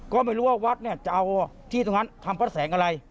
ก็ไม่รู้ว่าวัดเนี่ยจะเอาที่ตรงนั้นทำพระแสงอะไร